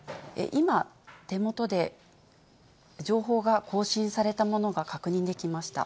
今、手元で情報が更新されたものが確認できました。